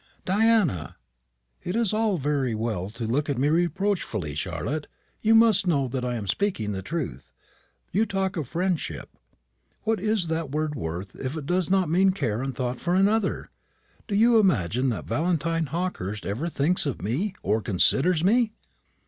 "Diana!" "It is all very well to look at me reproachfully, Charlotte. You must know that I am speaking the truth. You talk of friendship. What is that word worth if it does not mean care and thought for another? Do you imagine that Valentine Hawkehurst ever thinks of me, or considers me?"